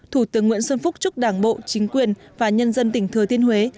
thủ tướng nguyễn xuân phúc chúc đảng bộ chính quyền và nhân dân tỉnh thừa thiên huế